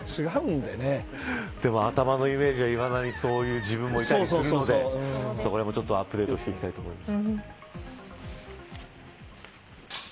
でも、頭のイメージはいまだに、そういう自分もいたりするのでそこらへんもアップデートしていきたいと思います。